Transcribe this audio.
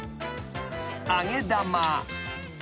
［揚げ玉］